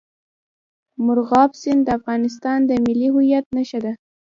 مورغاب سیند د افغانستان د ملي هویت نښه ده.